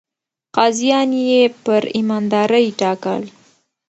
قاضيان يې پر ايماندارۍ ټاکل.